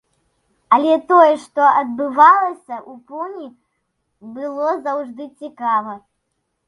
Але тое, што адбывалася ў пуні, было заўжды цікава!